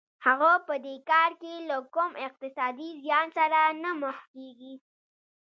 هغه په دې کار کې له کوم اقتصادي زیان سره نه مخ کېږي